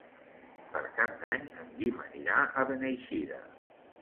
Per Cap d'Any en Guim anirà a Beneixida.